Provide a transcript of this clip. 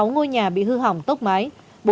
một mươi sáu ngôi nhà bị hư hỏng tốc mái